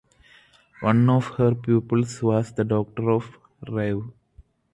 One of her pupils was the daughter of Rev.